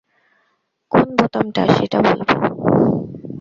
কোন বোতামটা, সেটা বলবো।